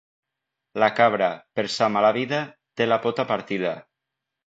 La cabra, per sa mala vida, té la pota partida.